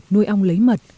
nuôi ong lấy mật